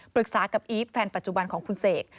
ปรึกษากับอีฟแฟนปัจจุบันของคุณเสก